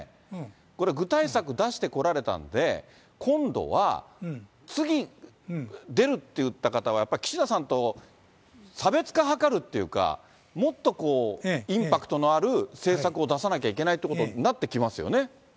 これ、具体策出してこられたんで、今度は、次出るって言った方は、やっぱ岸田さんと差別化図るっていうか、もっとこう、インパクトのある政策を出さなきゃいけないということになってきますよね。